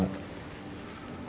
gue pengen itu dek